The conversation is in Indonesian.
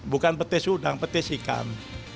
bukan petis udang petis ikan